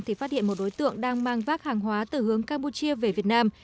thì phát hiện một đối tượng đang mang vác hàng hóa từ hướng campuchia về việt nam